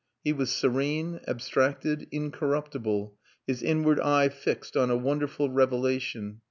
He was serene, abstracted, incorruptible, his inward eye fixed on a wonderful revelation.